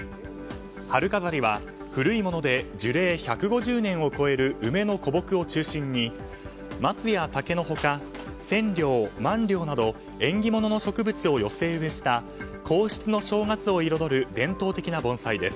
春飾りは古いもので樹齢１５０年を超える梅の古木を中心に松や竹の他センリョウ、マンリョウなど縁起物の植物を寄せ植えした皇室の正月を彩る伝統的な盆栽です。